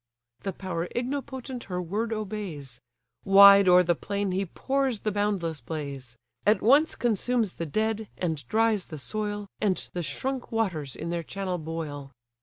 The power ignipotent her word obeys: Wide o'er the plain he pours the boundless blaze; At once consumes the dead, and dries the soil And the shrunk waters in their channel boil.